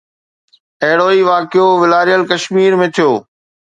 اهڙو ئي واقعو والاريل ڪشمير ۾ ٿيو.